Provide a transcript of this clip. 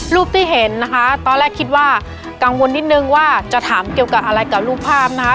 รูปที่เห็นนะคะตอนแรกคิดว่ากังวลนิดนึงว่าจะถามเกี่ยวกับอะไรกับรูปภาพนะคะ